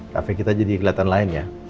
kafe kita jadi kelihatan lain ya